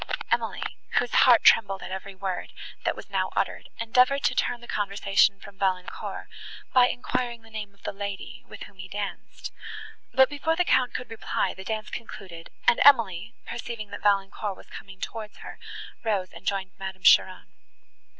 Emily, whose heart trembled at every word, that was now uttered, endeavoured to turn the conversation from Valancourt, by enquiring the name of the lady, with whom he danced; but, before the Count could reply, the dance concluded, and Emily, perceiving that Valancourt was coming towards her, rose and joined Madame Cheron.